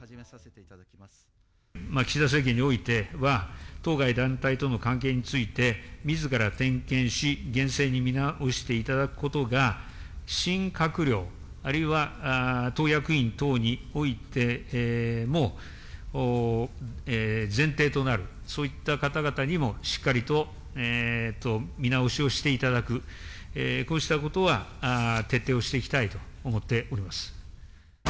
岸田政権においては、当該団体との関係について、みずから点検し、厳正に見直していただくことが、新閣僚、あるいは党役員等においても前提となる、そういった方々にもしっかりと見直しをしていただく、こうしたことは徹底をしていきたいと思っております。